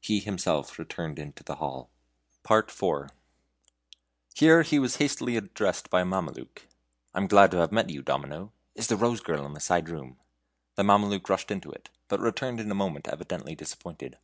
He himself returned into the hall. IV. Here he was hastily addressed by a Mameluke: "I'm glad I have met you, Domino. Is the Rose girl in the side room?" The Mameluke rushed into it, but returned in a moment evidently disappointed.